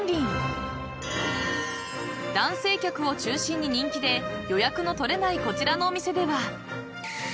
［男性客を中心に人気で予約の取れないこちらのお店では］